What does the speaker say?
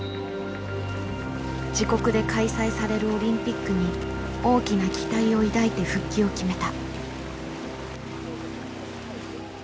自国で開催されるオリンピックに大きな期待を抱いて復帰を決めた。